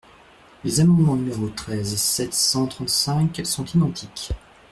Les amendements numéros treize et sept cent trente-cinq sont identiques.